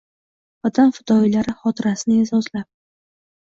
Vatan fidoyilari xotirasini e’zozlab